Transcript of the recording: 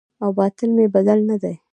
او باطن مې بدل نه دی